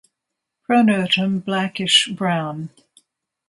Pronotum blackish brown.